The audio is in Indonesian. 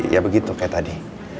ya begitu kayak tadi